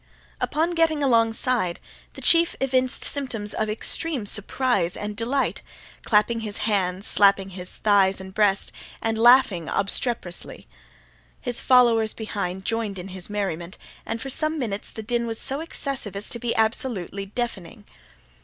Upon getting alongside, the chief evinced symptoms of extreme surprise and delight, clapping his hands, slapping his thighs and breast, and laughing obstreperously. His followers behind joined in his merriment, and for some minutes the din was so excessive as to be absolutely deafening.